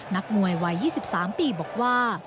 นักมวยวัย๒๓ปีบอกว่า